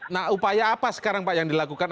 nah upaya apa sekarang pak yang dilakukan